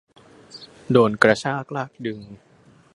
โดนกระชากลากดึง